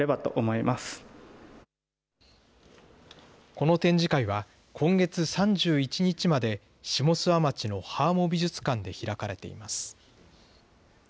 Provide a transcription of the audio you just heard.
この展示会は、今月３１日まで、下諏訪町のハーモ美術館で開かれています。